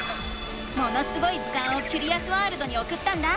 「ものすごい図鑑」をキュリアスワールドにおくったんだ。